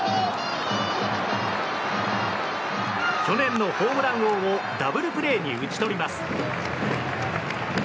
去年のホームラン王をダブルプレーに打ち取ります。